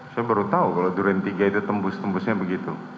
saya baru tahu kalau durian tiga itu tembus tembusnya begitu